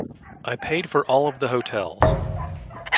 I paid for all of the hotels.